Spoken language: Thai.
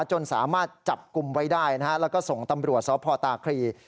จนสามารถจับกลุ่มไว้ได้นะฮะแล้วก็ส่งตำรวจสพตาครี